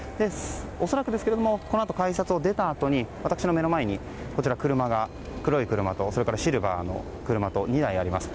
恐らくですがこのあと改札を出たあとに私の目の前に黒い車と、シルバーの車と２台あります。